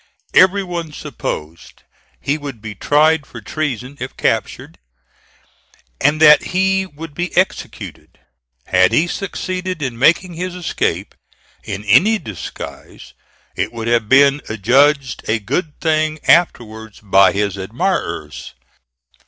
Every one supposed he would be tried for treason if captured, and that he would be executed. Had he succeeded in making his escape in any disguise it would have been adjudged a good thing afterwards by his admirers.